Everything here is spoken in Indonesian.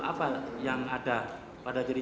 apa yang ada pada jadi